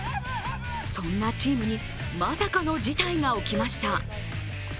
そんなチームに、まさかの事態が起きました。